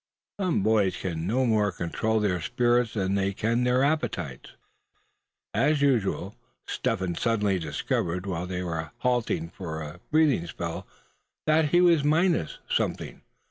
Some boys can no more control their spirits than they can their appetites. As usual Step Hen suddenly discovered, while they were halting for a breathing spell, that he was minus something.